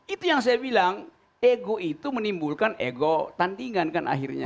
itu yang saya bilang ego itu menimbulkan ego tandingan kan akhirnya